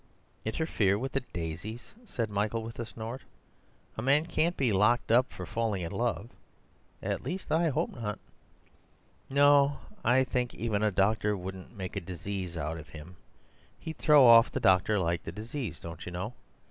"Interfere with the daisies!" said Michael with a snort. "A man can't be locked up for falling in love—at least I hope not." "No; I think even a doctor couldn't make a disease out of him. He'd throw off the doctor like the disease, don't you know?